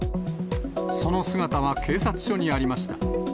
その姿は警察署にありました。